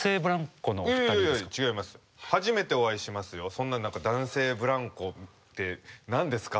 そんな何か男性ブランコって何ですか？